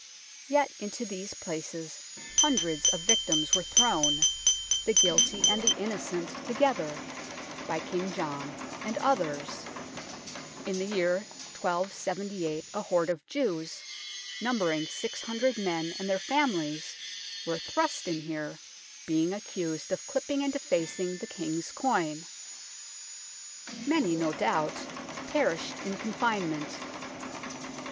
Yet into these places hundreds of victims were thrown, the guilty and the innocent together, by King John and others ; in the year 1278 a horde of Jews, numbering six hundred men and their families, were thrust in here, being accused of clipping and defacing the King's coin. Many, no doubt, perished in confinement.